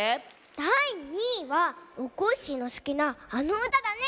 だい２いはおこっしぃのすきなあのうただね！